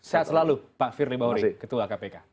sehat selalu pak firly bahuri ketua kpk